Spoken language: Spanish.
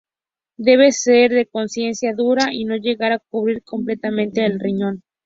Debe ser de consistencia dura y no llegar a cubrir completamente el riñón.